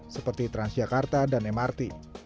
seperti transjakarta dan mrt